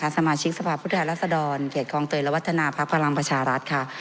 สมาชิกสภาพุทธรรษฎรเกียรติกองเตยลวัฒนาภาคพลังประชารัฐค่ะ